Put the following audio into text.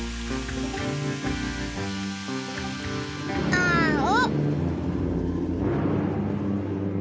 あお。